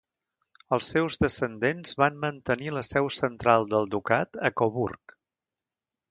Els seus descendents van mantenir la seu central del ducat a Coburg.